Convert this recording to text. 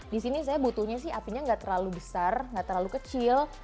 disini saya butuhnya sih apinya gak terlalu besar gak terlalu kecil